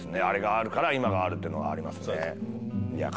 あれがあるから今があるっていうのはありますね。